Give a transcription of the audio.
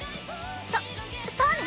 そそうね。